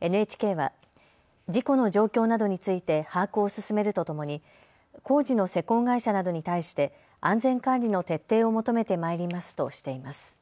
ＮＨＫは事故の状況などについて把握を進めるとともに工事の施工会社などに対して安全管理の徹底を求めてまいりますとしています。